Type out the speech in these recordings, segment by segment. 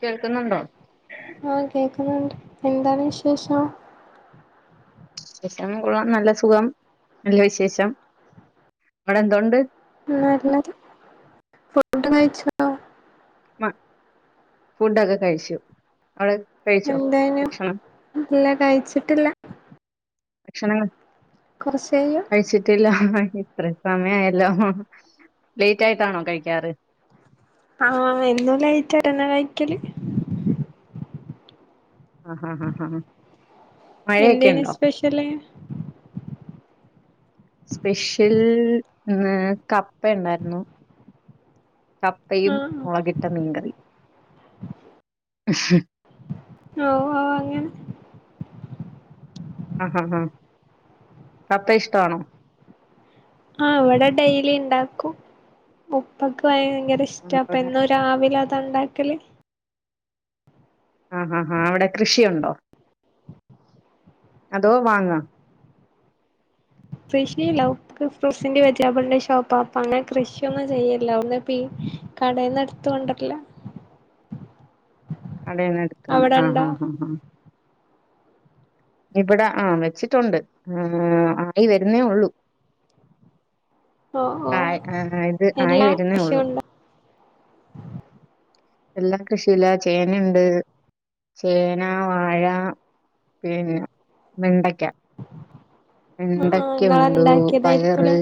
കേൾക്കുന്നുണ്ടോ ഉം എന്താണ് വിശേഷം വിഷമം കൊള്ളാം നല്ല സുഖം നല്ല വിശേഷം അവിടെ എന്തുണ്ട് നല്ലത് ഫുഡ് കഴിച്ചോ മ ഫുഡൊക്കെ കഴിച്ചു അവിടെ കഴിച്ചോ എന്തായനും ഭക്ഷണം ഇല്ല കഴിച്ചിട്ടില്ല ഭക്ഷണം കൊറച്ച് കയ്യും കഴിച്ചിട്ടില്ല ഇത്രം സമയായല്ലോ ലേറ്റ് ആയിട്ടാണോ കഴിക്കാറ് ആഹ് എന്നും ലേറ്റയിട്ടന്നാ കഴിക്കല് ആഹ ഹാ ഹാ മഴയൊക്കെ എന്തേനു ഉണ്ടോ സ്പെഷ്യല് സ്പെഷ്യൽ കപ്പ ഉണ്ടായിർന്നു കപ്പയും ആഹ് മൊളകിട്ട മീങ്കറി [unintelligible] ഓ ഓ അങ്ങനെ ആഹഹാ കപ്പ ഇഷ്ടാണോ ആഹ് ഇവിടെ ഡെയ്ലി ഇണ്ടാക്കും മുപ്പക്ക് [unintelligible] ഭയങ്കര ഉം, ഇഷ്ടാ അപ്പം അവിടെ എന്നും രാവിലെ അത ഉണ്ടാക്കല് ആ ഹ ഹാ അവിടെ കൃഷിയുണ്ടോ അതോ വങ്ങാ കൃഷിയില്ല ഫ്രൂട്സിന്റെയും വെജാപ്പിളിന്റെയും ഷോപ്പാ അപ്പ അങ്ങനെ കൃഷിയൊന്നും ചെയ്യലില്ല ഒന്നാം പീ കടയിന്ന് എടുത്ത് കൊണ്ടരില്ല [unintelligible] കടേന്ന് എടുത്തോണ്ട് ആഹ് അവിടെണ്ടോ ഹ ഹ ഹ ഇവിടെ ആഹ് വെച്ചിട്ടുണ്ട് ഉം ആയി വരുന്നേ ഉള്ളൂ ഓഹ് ആയി ഓഹ് ആ ആ ഇത് ആയി എല്ലാ വരുന്നേ ഉള്ളു കൃഷിയുണ്ടോ [unintelligible] എല്ലാ കൃഷിയില്ല ചേനയുണ്ട് ചേന വാഴ പിന്നെ വെണ്ടയ്ക്ക ആഹ് ആഹ് ഇങ്ങളന്നെ വണ്ടക്കയുണ്ടൂ പയറ് ഇണ്ടാക്കിയതായിരിക്കുംല്ലേ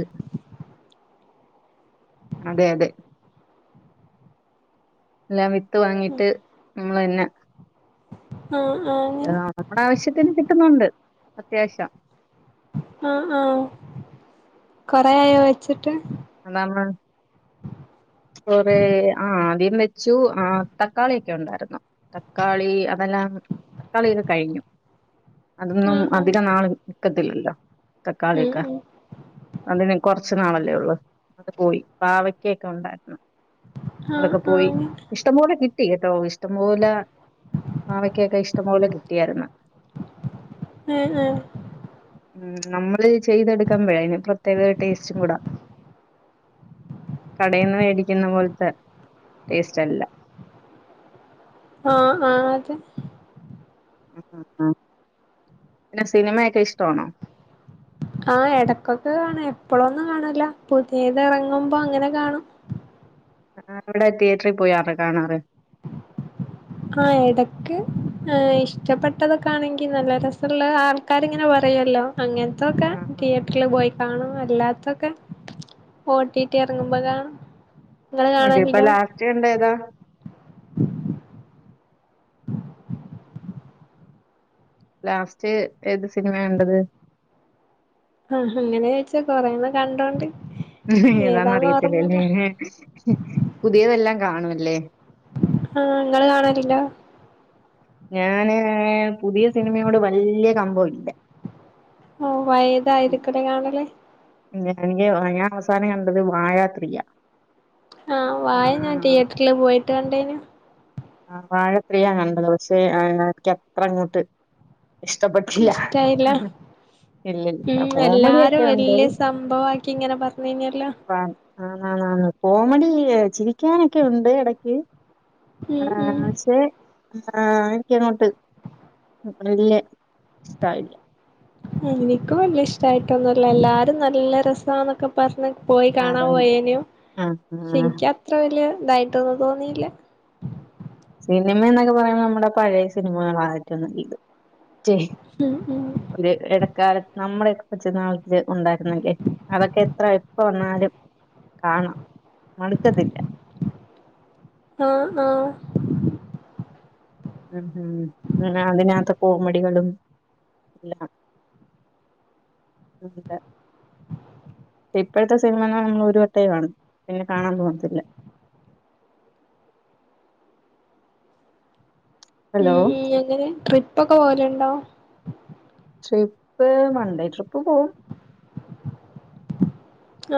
അതെ അതെ എല്ലാം വിത്ത് വാങ്ങിട്ട് നമ്മള് എന്നെ ആഹ് ആഹ് അങ്ങനെ ആ നമ്മുടെ ആവശ്യത്തിന് കിട്ടുന്നുണ്ട് അത്യാവശ്യം ആഹ് ആഹ് കൊറേയായോ വച്ചി [unintelligible] കുറേ ആഹ് അദ്യം വെച്ചു ആ തക്കാളിയൊക്കെ ഉണ്ടായിരുന്നു തക്കാളി അങ്ങ എല്ലാം തക്കാളി കഴിഞ്ഞു അതൊന്നും ആഹ് ആഹ് അധികം നാള് നിക്കത്തില്ലല്ലോ തക്കാളിയൊക്കെ ഉം ഉം അതിന് കൊറച്ച് നാള അല്ലെ ഉള്ളു അത് പോയി പാവക്കൊക്കെ ഉണ്ടായി ആഹ് അതൊക്കെ പോയി ആഹ് ഇഷ്ടം പോലെ കി കിട്ടി കേട്ടോ ഇഷ്ടംപോലെ പാവക്കൊക്കെ ഇഷ്ടംപോലെ കിട്ടിയാര്ന്ന് ഉം ഉം ഉം നമ്മള് ചെയ്തെടുക്കുമ്പഴെ അയിന് പ്രത്യേകത ടേസ്റ്റും കൂട കടയിന്ന് വേടിക്കുന്ന പോൽത്തെ ടേസ്റ്റ് അല്ല [inaudible] ആഹ ആഹ അത് ആ ആ പിന്നെ സിനിമയൊക്കെ ഇഷ്ടവാണോ ആഹ് എടക്കൊക്കെ കാണും എപ്പളൊന്നും കാണലില്ല പുതിയത് എറങ്ങുമ്പോ അങ്ങനെ കാണും ആ അവിടെ തിയേറ്ററി പോയ അത് കാണാറ് ആഹ എടക്ക് ഏ ഇഷ്ടപ്പെട്ടതൊക്കെ ആണെങ്കി നല്ല രസമുള്ള ആൾക്കാരിങ്ങനെ പറയുവല്ലോ അങ്ങനത്തൊക്കെ ആ തിയേറ്ററില് പോയി കാണും അല്ലാത്തൊക്കെ ഓ ടി ടി എറങ്ങുമ്പം കാണും ഇങ്ങള് അതെ ഇപ്പം കാണലുണ്ടോ ലാസ്റ്റ് കണ്ടത് എത ലാസ്റ്റ് ഏത് സിനിമയ കണ്ടത് ആഹ് അങ്ങനോയിച്ചാ കൊറേണ്ണം കണ്ടോണ്ട് ഉ ഏതാന്ന ഏതാന്ന് ഓർമ്മല്ല അറിയത്തില്ലല്ലേ പുതിയതെല്ലാം കാണുംല്ലേ ആഹ നിങ്ങള് കാണണില്ല ഞാന് പുതിയ സിനിമയോട് വലിയ ക മ്പം ഇല്ല ഓ പയതായിരിക്കുല്ലേ കാണല് എനിക്ക് ഞാൻ അവസാനം കണ്ടത് വാഴത്രീ യാ ആഹ വായ ഞാൻ തിയേറ്ററില് പോയിട്ട് കണ്ടേനു ആ വാഴത്രിയാ കണ്ടത് പക്ഷേ എനിക്ക് അത്ര അങ്ങോട്ട് ഇഷ്ടപ്പെട്ടില്ല ഇഷ്ടായില്ല ഉം ഇല്ലില്ല കോമഡിയൊക്കെ എല്ലാരും ഉണ്ട് വല്യ സംഭവ ആക്കി ഇങ്ങനെ പറഞ്ഞിന്നല്ലോ [unintelligible] ആ കോമഡി ചിരിക്കാനൊക്കെ ഉണ്ട് ഇടക്ക് ഉം ആ ഉം പക്ഷെ ആ എനിക്ക് അങ്ങോട്ട് വല്യ ഇഷ്ടായില്ല എനിക്കും വല്ല ഇഷ്ടായിട്ടൊന്നുംല്ല എല്ലാരും നല്ല രസാന്നൊക്കെ പറഞ്ഞ പോയി കാണാൻ അതാണ് പോയേനും ആ ആ പക്ഷെ എനിക്ക് അത്ര വല്യ ഇതായിട്ടൊന്നും തോന്നിയില്ല സിനിമ എന്നൊക്കെ പറയ്പോ നമ്മുടെ പഴയ സിനിമകള ഏറ്റവും നല്ലത് [unintelligible] ഉം ഉം ഒരു ഇടക്കാലത്ത് നമ്മുടെക്കെ കൊച്ചുന്നാൾ ഉണ്ടായിരുന്നല്ലേ അതൊക്കെ എത്ര ഇപ്പ വന്നാലും കാണാം മടുക്കത്തില്ല ആഹ ആഹ ഉ ഹം അതിനകത്ത്‌ കോമഡികളും എല്ലാം ഉണ്ട് ഇപ്പോഴത്തെ സിനിമകാണാൻ നമ്മൾ ഒരു വട്ടേ കാണും പിന്നെ കാണാൻ പോകത്തില്ല [inaudible] ഉം ഹലോ ഉം അങ്ങനെ ട്രിപ്പൊക്കെ പോകല്ണ്ടോ ട്രിപ്പ് വൺണ്ടേ ട്രിപ്പ് പോകും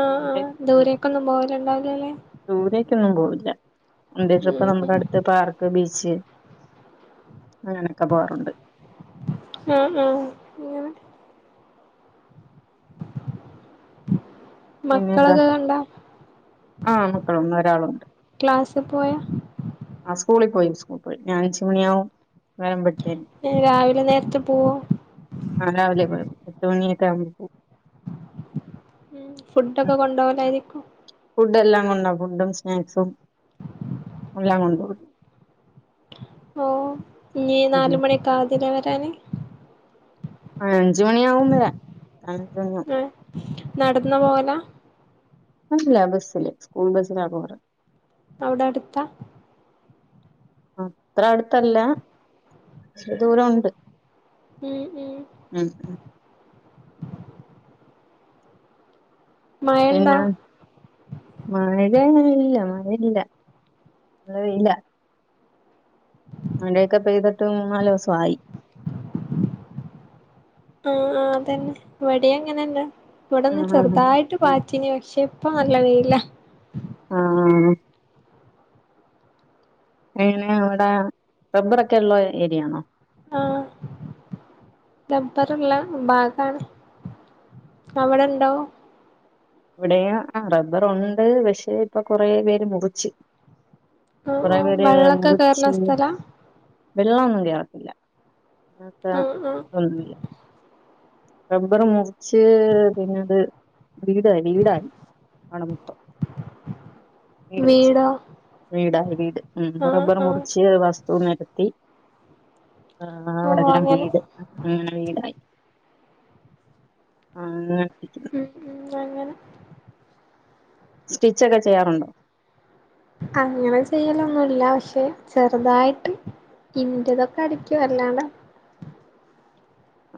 ആ വൺ ആ ഡേ ദൂരേക്കൊന്നും പോകല്ണ്ടാവൂലല്ലേ രേക്കൊന്നും പോകില്ല വൺ ഡേ ട്രിപ്പ്‌ നമ്മക്ക് ഉം അടുത്ത് പാർക്ക് ബീച്ച് ശെരി അങ്ങനൊക്കെ പോവാറുണ്ട് അ അ ഇങ്ങനെ പിന്നെ ഏതാ മക്കളൊക്കെ കണ്ടോ ആ മക്കളൊന്ന്‌ ഒരാളുണ്ട് ക്ലാസ്സിൽ പോയാ ആ സ്കൂളി പോയി സ്കൂൾ പോയി ഞാൻഅ ഞ്ച് മണിയാവും [unintelligible] [unintelligible] രാവിലെ നേരത്തെ പോവോ പത്ത് മണിഒക്കെ ആകുമ്പോ പോകും ഫുഡ്ക്കെ കൊണ്ടോവലായിരിക്കും ഫുഡ് എല്ലാം കൊണ്ടോവും ഫുഡും സ്നാക്സും എല്ലാം കൊണ്ടോവും ഓ ഇനി നാലുമണിയൊക്കെ ആവും ഇതിലേ വരാന് ആ അഞ്ചു മണിയാവും വരാൻ ആഹ് നടന്ന് പോവലാ അല്ല ബസ്സില് സ്കൂൾ ബസ്സിലാ പോകാറ് അവിടെ അടുത്താ അത്ര അടുത്തല്ല ച്ച് രി ദൂരൊണ്ട് ഉം ഉം മഴണ്ടോ പിന്നെ മഴ [unintelligible] ഇല്ല മഴല്ല ഇവിടെ വെയിലാ മഴയൊക്കെ പെയ്തിട്ട് മൂന്നാലൂസായി ആ അതെന്നെ ഇവടിം അങ്ങനെന്നെ ഇവിടെ ഒന്ന് ആഹ് ആഹ് ചെറുതായിട്ട് പാറ്റി [unintelligible] ശേഷം ഇപ്പൊ നല്ല വെയിലാ ആ ആ [unintelligible] അവടെ റബ്ബറൊക്കെള്ള ഏരിയയാണോ ആഹ് ബാക്കാണ് അവിടെ ഇണ്ടാവും ഇവിടെ ആ റബ്ബറുണ്ട് പക്ഷേ ഇപ്പൊ കൊറേ പേര് മുറിച്ച് ആഹ് കൊറേ ആഹ് പേര് വെള്ളൊക്കെ കേറ്ണ മുറിച്ച് സ്ഥലാ വെള്ളമൊന്നും കേറത്തില്ല അങ്ങനത്തെ ആഹ് ആഹ് ഇതൊന്നുല്ല റബ്ബർ മുറിച്ച് പിന്നത് വീടായി വീടായി ആ വീട് വെച്ച് വീടോ വീടായി വീട് ഉം ആഹ് റബ്ബർ ആഹ് മുറിച്ച് വസ്തു നെരത്തി ആ ഓ അവിടെല്ലാം അങ്ങനെ വീട് അങ്ങനെ വീടായി [unintelligible] ഉം ഉം അങ്ങനെ സ്റ്റിച്ചൊക്കെ ചെയ്യാറുണ്ടോ അങ്ങനെ ചെയ്യലൊന്നുല്ല പക്ഷെ ചെറുതായിട്ട് ഇന്റതൊക്കെ അടിക്കും അല്ലാണ്ടെ [inaudible]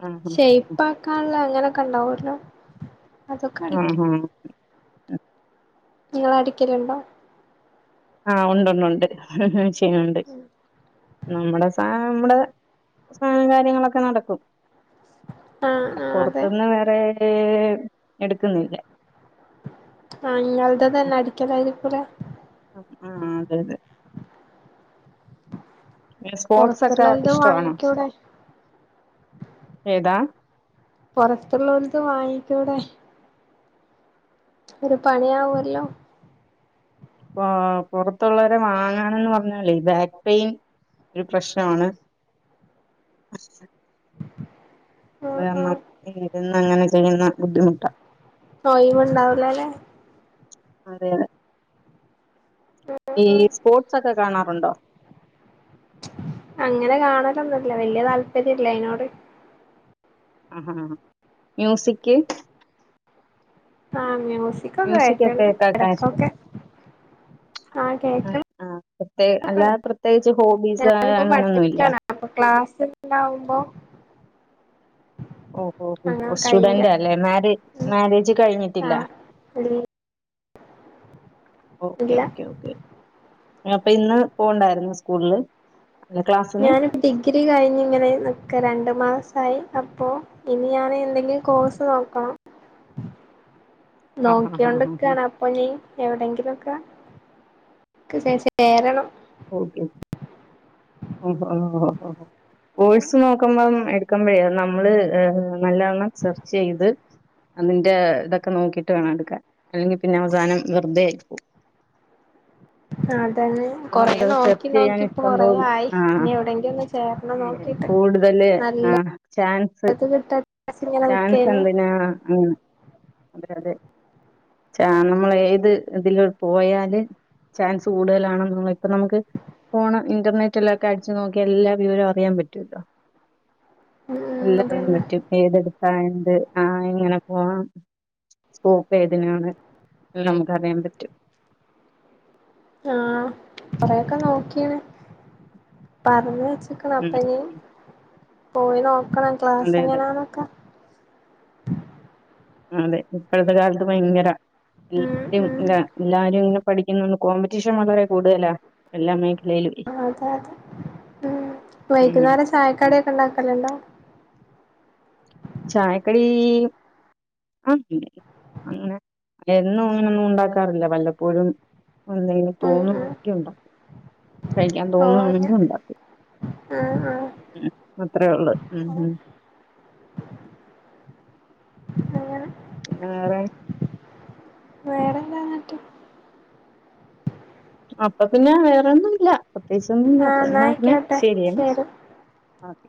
ആഹ് ശെയ്പാക്കാള്ളെ അങ്ങനൊക്കെ ണ്ടാവല്ലോ ആ ആ നിങ്ങള് അടിക്കലുണ്ടോ ആ ഉണ്ടുണ്ട് ചെയ്യ്ണുണ്ട് നമ്മുടെ സാ നമ്മുടെ സാധനം കാര്യങ്ങളൊക്കെ നടക്കും ആഹ് ആഹ് അതെ പുറത്ത്ന്ന് വേറെ എടുക്കുന്നില്ല ആ ഉം. [unintelligible] ആ അതെ അതെ സ്പോർട്സൊക്കെ പൊറത്തുള്ളോൽത് ഇഷ്ടാണോ വാങ്ങിക്കൂടെ ഏതാ പൊറത്തുള്ളോലത് വാങ്ങിക്കൂടെ ഒരു പണിയാവല്ലോ ആ പുറത്തുള്ളവരെ വാങ്ങാനെന്ന് പറഞ്ഞാലേ ബാക്ക് പെയിൻ ഒരു പ്രശ്നമാണ് അത് ആഹ് കാരണം ആഹ് ഇരുന്ന് അങ്ങനെ ചെയ്യുന്ന ബുദ്ധിമുട്ടാ ഒഴിവുണ്ടാവൂലല്ലേ അതെ അതെ ഈ സ്പോർട്സ് ഒക്കെ കാണാറുണ്ടോ അങ്ങനെ കാണലൊന്നുല്ല വല്യ താല്പര്യല്ല അയിനോട് ആഹാ മ്യൂസിക് ആഹ് മ്യൂസിക്കൊക്കെ മ്യൂസിക് ഒക്കെ കേക്കണ്ട് കേക്കാൻ ഇഷ്ടം ഇടക്കൊക്കെ ആഹ് ആ കേക്കണ ആ പ്രത്യേക അല്ലാതെ പ്രത്യേകിച്ച് ഹോബീസ് ഞാനിപ്പോ അങ്ങനൊന്നും ഇല്ല പഠിക്കാണ് അപ്പൊ ക്ലാസ് ഉണ്ടാവുമ്പോ ഓ ഓ ഓ അങ്ങനെ ഓ കയ്യില്ല സ്റ്റുഡന്റ് അല്ലേ മാരേ മാരേജ് കഴിഞ്ഞിട്ടില്ല ആഹ് ഇ ഓക്കെ ഇല്ല ഓക്കെ ഓക്കെ അപ്പൊ ഇന്ന് പോണ്ടായിരുന്നു സ്കൂളില് അല്ല ക്ലാസ്സിന് ഞാനിപ്പോ ഡിഗ്രി കഴിഞ്ഞ് ഇങ്ങനെ നിക്ക രണ്ട് മാസായി അപ്പോ ഇനി ഞാൻ എന്തെങ്കിലും കോഴ്സ് നോക്കണം ആ ഹാ ഹാ ഹാ നോക്കിയോണ്ട്ക്കാണ് അപ്പൊ ഇനി എവിടെങ്കിലൊക്കെ ചേരണം ഓക്കെ ഓ ഓ ഓ ഓ അങ്ങനെ കോഴ്സ് നോക്കുമ്പം എടുക്കുമ്പഴേ നമ്മള് ഏഹ് നല്ലവണ്ണം സെർച്ച് ചെയ്ത് അതിന്റെ ഇതൊക്കെ നോക്കിട്ട് വേണം എടുക്കാൻ അല്ലെങ്കിൽ പിന്നെ അവസാനം വെറുതെ ആയി പോവും അതന്നെ അപ്പൊ കൊറേ നമുക്കത് നോക്കി സെർച്ച് ചെയ്യാൻ നോക്കി ഇപ്പൊ ഇഷ്ടം കൊറേ പോലെ ആയി ആഹ് ഇനി എവിടെങ്കിലും ഒന്ന് ചേരണം നോക്കിട്ട് കൂടുതല് നല്ലത് ആഹ് ചാൻസ് കിട്ടാൻ ഇങ്ങനെ ചാൻസ് നിക്കേന് എന്തിനാ ഉം അതെ അതെ ചാ നമ്മള് ഏത് ഇതില് പോയാല് ചാൻസ് കൂടുതലാണെന്നുള്ള ഇപ്പൊ നമുക്ക് ഫോണ് ഇന്റർനെറ്റിലൊക്കെ അടിച്ചു നോക്കിയാ എല്ലാ വിവരവും അറിയാൻ പറ്റുവല്ലോ ഉം എല്ലാം അറിയാൻ അതന്നെ പറ്റും ഏതെടുത്താ എന്ത് ആഹ് എങ്ങനെ പോവാം സ്കോപ്പ് ഏതിനാണ് നമുക്കറിയാൻ പറ്റും ആഹ് കൊറെയൊക്കെ നോക്കീണ് പറഞ്ഞ് വെച്ച്ക്ക്ണ് ഉം അപ്പ ഇനി ഉം പോയി നോക്കണം ക്ലാസ് അതെ അതെ എങ്ങനാന്നൊക്കെ അതെ ഇപ്പോഴത്തെ കാലത്ത് ഭയങ്കര ഉം എല്ലാരും ഉം ഇല്ല എല്ലാരും ഇങ്ങനെ പഠിക്കുന്ന കോമ്പറ്റീഷൻ വളരെ കൂടുതലാ എല്ലാ മേഖലയിലും അതെ അതെ ഉം ഉം വൈകുന്നേരം ചായക്കടിയൊക്കെ ഇണ്ടാക്കലുണ്ടോ ചായക്കടി ആ അങ്ങനെ എന്നും അങ്ങനൊന്നും ഉണ്ടാക്കാറില്ല വല്ലപ്പോഴും എന്തെങ്കിലും ഉം ഉം തോന്നുവാണെങ്കിൽ ഉണ്ടാക്കും കഴിക്കാൻ ഓഹ് അങ്ങനെ തോന്നുവാണെങ്കിൽ ഉണ്ടാക്കും ആഹ് ഉം. അത്രേ ഉള്ളൂ ഉം ആഹ് ഉം അങ്ങനെ പിന്നെ വേറെ വേറെന്താ എന്നിട്ട് അപ്പൊ പിന്നെ വേറെൊന്നും ഇല്ല പ്രത്യേകിച്ചൊന്നും ഇല്ല ആഹ് അപ്പൊ എന്നാ എന്നാ പിന്നെ ആയിക്കോട്ടെ ശരിയേ ശരി ഓക്കെ